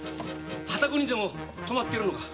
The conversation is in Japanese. ハタゴにでも泊まっているのか？